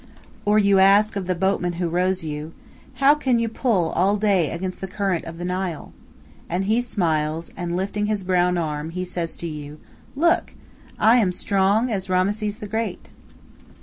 Or you ask of the boatman who rows you, "How can you pull all day against the current of the Nile?" And he smiles, and lifting his brown arm, he says to you: "Look! I am strong as Rameses the great."